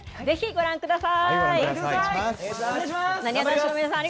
ぜひご覧ください。